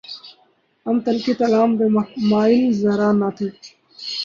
ہم تلخیِ کلام پہ مائل ذرا نہ تھے